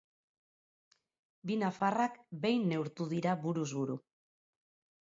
Bi nafarrak behin neurtu dira buruz-buru.